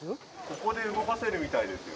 ここで動かせるみたいですよ。